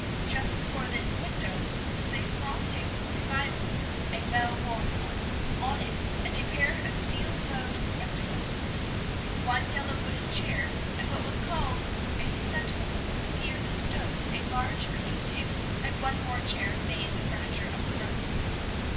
Just before this window was a small table with a Bible, a well worn one, on it, and a pair of steel bowed spectacles. One yellow wooden chair, and what was called "a settle" near the stove, a large cooking table, and one more chair, made the furniture of the room.